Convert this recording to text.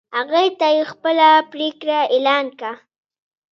هغوی ته یې خپله پرېکړه اعلان کړه.